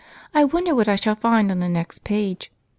I wonder what I shall find on the next page?"